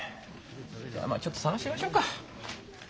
じゃあまあちょっと探してみましょうか。